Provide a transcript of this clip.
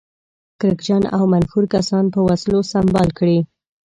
کرکجن او منفور کسان په وسلو سمبال کړي.